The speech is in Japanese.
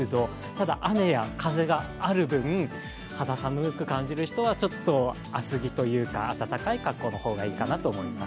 ただ雨や風がある分、肌寒く感じる人はちょっと厚着というか、暖かい格好の方がいいかなと思います。